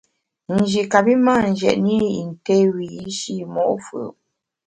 Nji kapi mâ njetne i yin té wiyi’shi mo’ fù’.